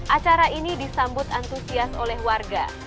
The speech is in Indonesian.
acara ini disambut antusias oleh warga